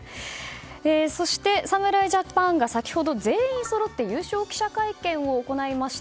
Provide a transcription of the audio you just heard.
そして侍ジャパンが先ほど全員そろって優勝記者会見を行いました。